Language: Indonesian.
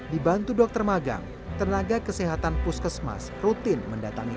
dibantu dokter magang tenaga kesehatan puskesmas rutin mendatangi